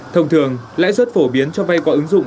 thông thường lãi rất phổ biến cho vay qua ứng dụng